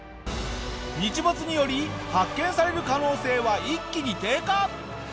日没により発見される可能性は一気に低下！